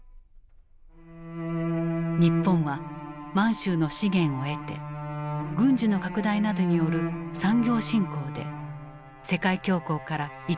日本は満州の資源を得て軍需の拡大などによる産業振興で世界恐慌からいち早く抜け出す。